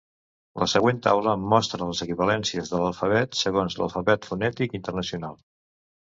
La següent taula mostra les equivalències de l'alfabet segons l'Alfabet fonètic internacional.